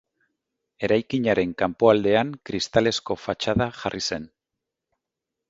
Eraikinaren kanpoaldean kristalezko fatxada jarri zen.